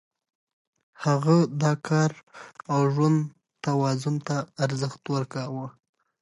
هغه د کار او ژوند توازن ته ارزښت ورکاوه.